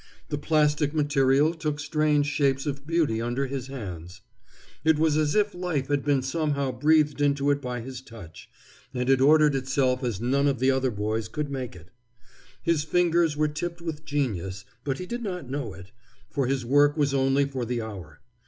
The plastic material took strange shapes of beauty under his hands. It was as if life had been somehow breathed into it by his touch, and it ordered itself as none of the other boys could make it. His fingers were tipped with genius, but he did not know it, for his work was only for the hour.